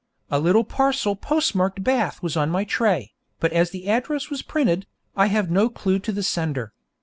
A little parcel postmarked Bath was on my tray, but as the address was printed, I have no clue to the sender.